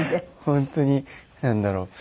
本当になんだろう？